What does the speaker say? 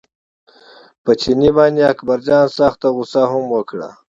په چیني باندې اکبرجان سخته غوسه هم وکړه.